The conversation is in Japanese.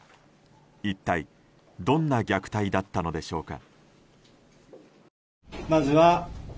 一体どんな虐待だったのでしょうか。